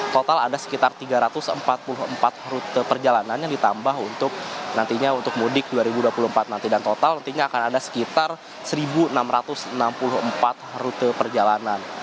total ada sekitar tiga ratus empat puluh empat rute perjalanan yang ditambah untuk nantinya untuk mudik dua ribu dua puluh empat nanti dan total nantinya akan ada sekitar satu enam ratus enam puluh empat rute perjalanan